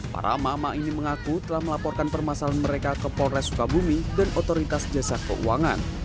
para emak emak ini mengaku telah melaporkan permasalahan mereka ke polres sukabumi dan otoritas jasa keuangan